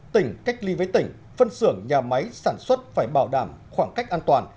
tỉnh cách ly với tỉnh phân xưởng nhà máy sản xuất phải bảo đảm khoảng cách an toàn